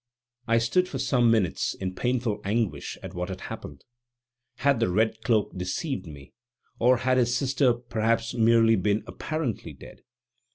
I stood for some minutes in painful anguish at what had happened. Had the "red cloak" deceived me, or had his sister perhaps merely been apparently dead?